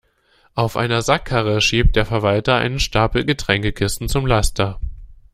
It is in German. Auf einer Sackkarre schiebt der Verwalter einen Stapel Getränkekisten zum Laster.